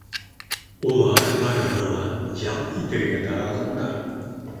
Улар барыһы ла ял итергә таралғандар.